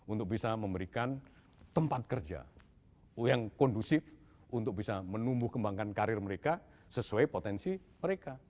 untuk bisa memberikan tempat kerja yang kondusif untuk bisa menumbuh kembangkan karir mereka sesuai potensi mereka